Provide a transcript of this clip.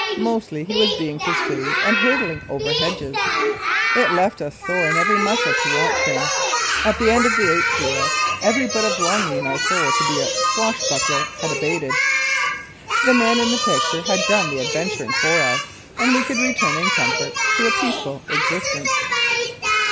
Mostly he was being pursued and hurdling over hedges. It left us sore in every muscle to watch him. At the end of the eighth reel every bit of longing in our soul to be a swashbuckler had abated. The man in the picture had done the adventuring for us and we could return in comfort to a peaceful existence.